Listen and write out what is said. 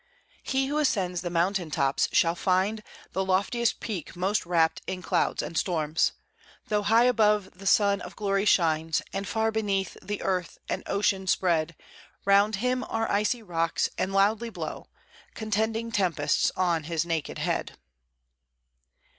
"He who ascends the mountain tops shall find The loftiest peak most wrapped in clouds and storms. Though high above the sun of glory shines, And far beneath the earth and ocean spread, Round him are icy rocks, and loudly blow. Contending tempests on his naked head."